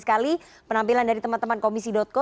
sekali penampilan dari teman teman komisi co